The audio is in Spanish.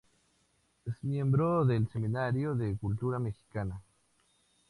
Es miembro del Seminario de Cultura Mexicana.